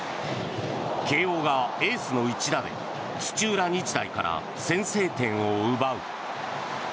慶応がエースの一打で土浦日大から先制点を奪う。